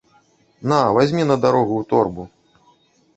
На, вазьмі на дарогу ў торбу.